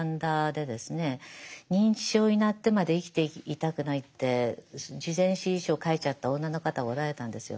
認知症になってまで生きていたくないって事前指示書を書いちゃった女の方がおられたんですよ。